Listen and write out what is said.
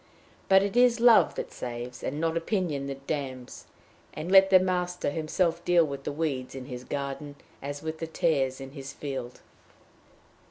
But it is love that saves, and not opinion that damns; and let the Master himself deal with the weeds in his garden as with the tares in his field.